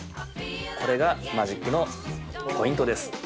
これがマジックのポイントです。